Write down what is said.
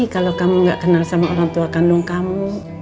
karena kamu tidak kenal sama orang tua kandung kamu